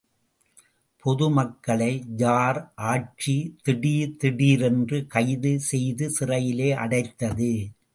பொது மக்களை ஜார் ஆட்சி திடீர் திடீரென்று கைது செய்து சிறையிலே அடைத்தது.